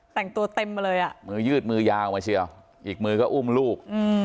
แต่งตัวเต็มมาเลยอ่ะมือยืดมือยาวมาเชียวอีกมือก็อุ้มลูก